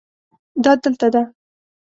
دا دلته ده